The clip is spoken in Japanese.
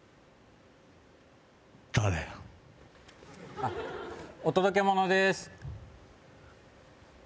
あっお届け物でーす